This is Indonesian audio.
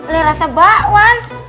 le rasa bakwan